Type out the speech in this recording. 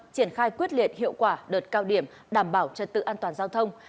triển khai quyết liệt hiệu quả đợt cao điểm đảm bảo trật tự an toàn giao thông